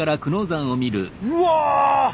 うわ！